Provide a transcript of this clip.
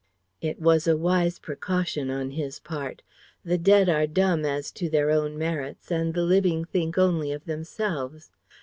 It was a wise precaution on his part. The dead are dumb as to their own merits, and the living think only of themselves.